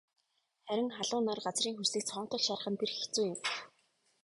Харин халуун нар газрын хөрсийг цоонотол шарах нь бэрх хэцүү юм.